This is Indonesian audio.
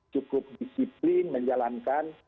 cukup disiplin menjalankan